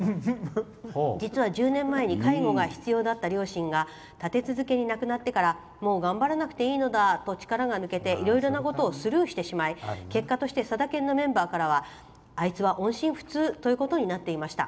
実は１０年前に介護が必要だった両親が立て続けに亡くなってからもう頑張らなくていいのだと力が抜けていろいろなことをスルーしてしまいさだ研のメンバーからはあいつは音信不通ということになっていました。